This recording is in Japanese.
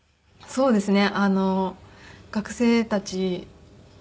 そうですね。